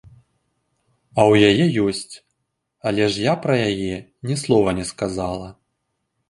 А ў яе есць, але ж я пра яе ні слова не сказала.